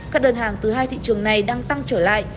các đơn hàng từ hai thị trường này đang tăng trở lại